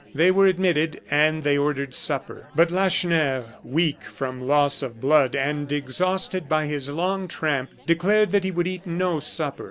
They were admitted, and they ordered supper. But Lacheneur, weak from loss of blood, and exhausted by his long tramp, declared that he would eat no supper.